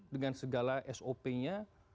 dengan segala sop nya